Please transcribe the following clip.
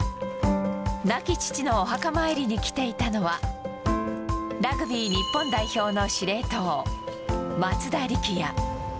亡き父のお墓参りに来ていたのは、ラグビー日本代表の司令塔、松田力也。